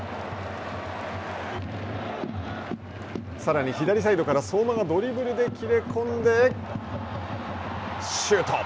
さらに左サイドから相馬がドリブルで切れ込んで、シュート。